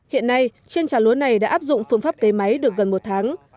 hiện nay trên trà lúa này đã áp dụng phương pháp cấy máy được gần một tháng